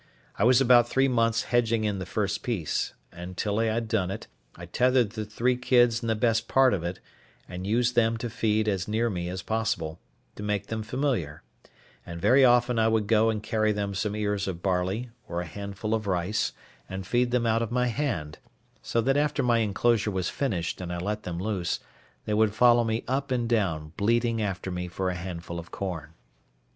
I was about three months hedging in the first piece; and, till I had done it, I tethered the three kids in the best part of it, and used them to feed as near me as possible, to make them familiar; and very often I would go and carry them some ears of barley, or a handful of rice, and feed them out of my hand; so that after my enclosure was finished and I let them loose, they would follow me up and down, bleating after me for a handful of corn.